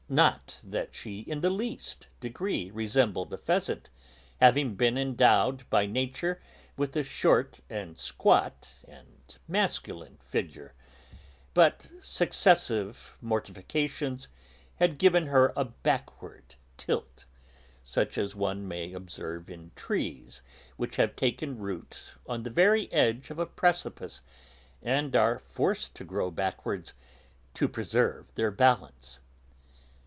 Not that she in the least degree resembled a pheasant, having been endowed by nature with a short and squat and masculine figure; but successive mortifications had given her a backward tilt, such as one may observe in trees which have taken root on the very edge of a precipice and are forced to grow backwards to preserve their balance.